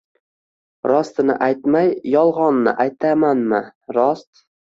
Rostini aytmay, yolg‘onni aytamanmi, rost